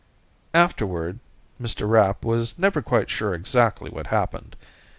Afterward, Mr. Rapp was never quite sure exactly what happened.